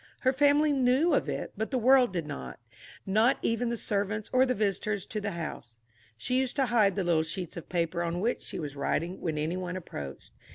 Her family knew of it, but the world did not not even the servants or the visitors to the house. She used to hide the little sheets of paper on which she was writing when any one approached.